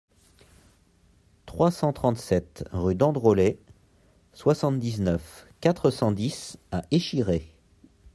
trois cent trente-sept rue d'Androlet, soixante-dix-neuf, quatre cent dix à Échiré